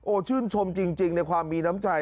ชื่นชมจริงในความมีน้ำใจ